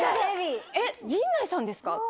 えっ、陣内さんですか？